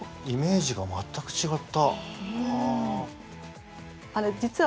イメージが全く違った。